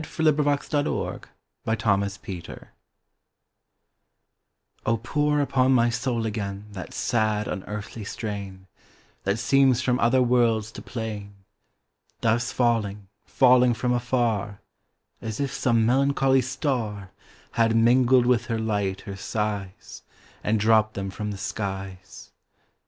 By WashingtonAllston 31 Rosalie "O POUR upon my soul againThat sad, unearthly strain, That seems from other worlds to plain; Thus falling, falling from afar, As if some melancholy starHad mingled with her light her sighs, And dropped them from the skies!